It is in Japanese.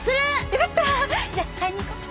よかった！じゃあ買いに行こう。